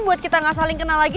buat kita gak saling kenal lagi